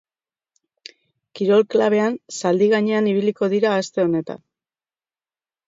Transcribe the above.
Kirol klabean zaldi gainean ibiliko dira aste honetan.